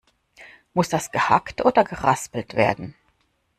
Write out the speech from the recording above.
Muss das gehackt oder geraspelt werden?